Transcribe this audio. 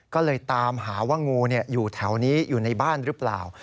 ก็เลยตามหาว่างูอยู่แถวนี้อยู่ในบ้านหรือเปล่า